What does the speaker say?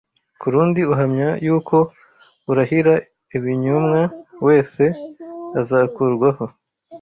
kurundi uhamya yuko urahira ibinyomwa wese azakurwaho